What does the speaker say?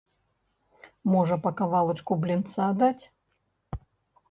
Можа па кавалачку блінца даць?